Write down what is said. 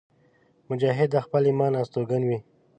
مجاهد د خپل ایمان استوګن وي.